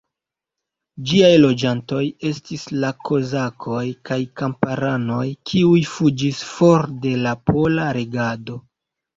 Ĝiaj loĝantoj estis la kozakoj kaj kamparanoj, kiuj fuĝis for de la pola regado.